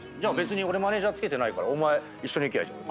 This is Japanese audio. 俺マネジャー付けてないからお前一緒に行きゃいいじゃん。